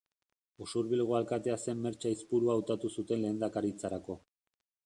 Usurbilgo alkatea zen Mertxe Aizpurua hautatu zuten lehendakaritzarako.